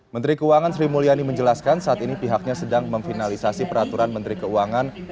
menteri keuangan sri mulyani menjelaskan saat ini pihaknya sedang memfinalisasi peraturan menteri keuangan